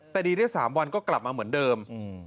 แต่ดีได้๓วันก็กลับมาเหมือนเดิม